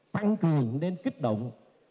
tăng cường nên kích động